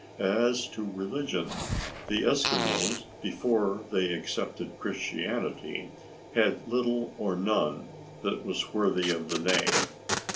As to religion, the Eskimos, before they accepted Christianity, had little or none that was worthy of the name.